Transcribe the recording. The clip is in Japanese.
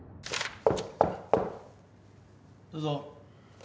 ・どうぞ。